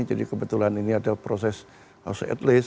jadi kebetulan ini ada proses harus at least